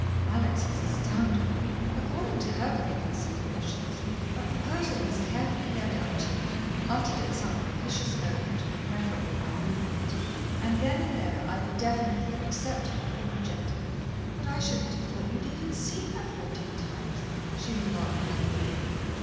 Alex was astounded. According to her preconceived notions a proposal was carefully led up to, uttered at some propitious moment, preferably by moonlight, and then and there either definitely accepted or rejected. "But I shouldn't have thought you'd even seen her fourteen times," she remarked naïvely.